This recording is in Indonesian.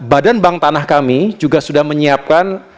badan bank tanah kami juga sudah menyiapkan